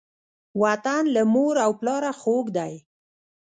وطن له مور او پلاره خووږ دی.